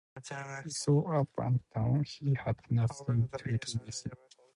He swore up and down he had nothing to do with it.